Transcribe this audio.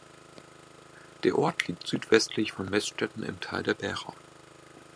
Der Ort liegt südwestlich von Meßstetten im Tal der Bära.